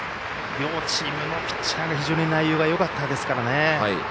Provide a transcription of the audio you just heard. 両チームのピッチャーが非常に内容がよかったですからね。